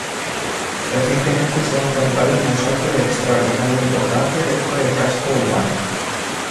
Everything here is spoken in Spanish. Recientemente se ha encontrado un mosaico de extraordinaria importancia dentro del casco urbano.